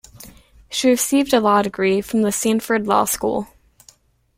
She received a law degree from the Stanford Law School.